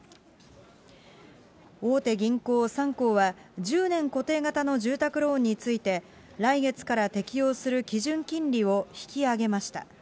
大手銀行３行は、１０年固定型の住宅ローンについて、来月から適用する基準金利を引き上げました。